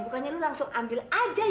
bukannya lu langsung ambil aja